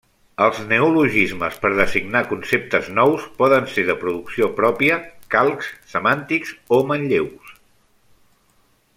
Els neologismes per designar conceptes nous poden ser de producció pròpia, calcs semàntics o manlleus.